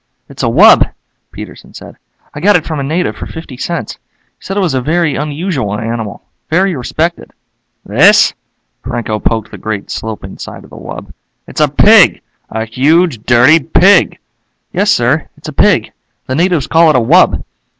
"It's a wub," Peterson said. "I got it from a native for fifty cents. He said it was a very unusual animal. Very respected." "This?" Franco poked the great sloping side of the wub. "It's a pig! A huge dirty pig!" "Yes sir, it's a pig. The natives call it a wub."